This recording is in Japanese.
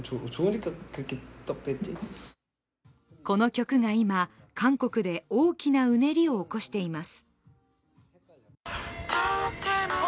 この曲が今、韓国で大きなうねりを起こしています。